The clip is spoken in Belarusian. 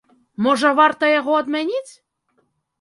Можа, варта яго адмяніць?